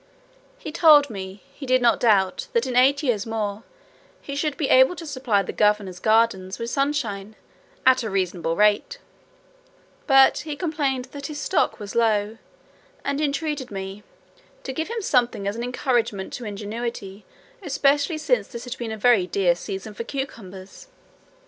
He told me, he did not doubt, that, in eight years more, he should be able to supply the governor's gardens with sunshine, at a reasonable rate; but he complained that his stock was low, and entreated me "to give him something as an encouragement to ingenuity, especially since this had been a very dear season for cucumbers."